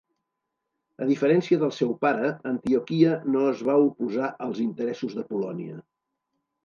A diferència del seu pare, Antioquia no es va oposar als interessos de Polònia.